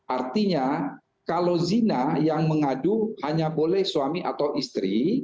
artinya kalau zina yang mengadu hanya boleh suami atau istri